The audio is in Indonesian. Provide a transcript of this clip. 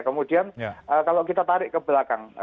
kemudian kalau kita tarik ke belakang